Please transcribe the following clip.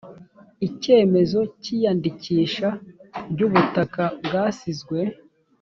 icyemezo cy iyandikisha ry ubutaka bwasizwe